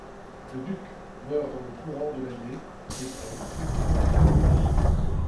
Le duc meurt dans le courant de l’année et Brenne devient duc.